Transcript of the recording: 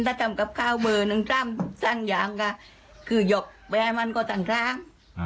ถ้าทำกับข้าวเบอร์หนึ่งทำสั่งอย่างก็คือหยกไปให้มันก็ต่าง